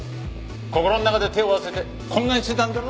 心の中で手を合わせて懇願してたんだろ？